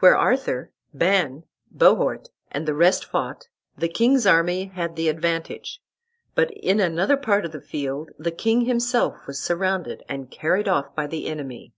Where Arthur, Ban, Bohort, and the rest fought the king's army had the advantage; but in another part of the field the king himself was surrounded and carried off by the enemy.